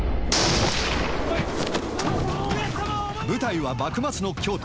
舞台は幕末の京都。